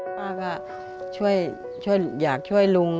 ป๊าก็อยากช่วยลุง